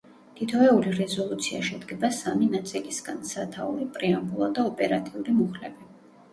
თითოეული რეზოლუცია შედგება სამი ნაწილისგან: სათაური, პრეამბულა და ოპერატიული მუხლები.